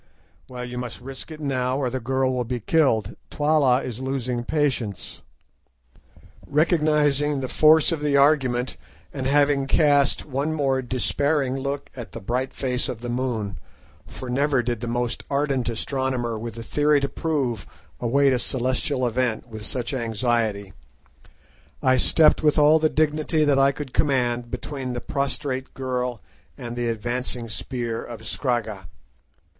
"Well, you must risk it now, or the girl will be killed. Twala is losing patience." Recognising the force of the argument, and having cast one more despairing look at the bright face of the moon, for never did the most ardent astronomer with a theory to prove await a celestial event with such anxiety, I stepped with all the dignity that I could command between the prostrate girl and the advancing spear of Scragga.